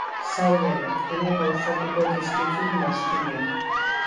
Zaude, hemen pausatuko dizkizut mozkinak.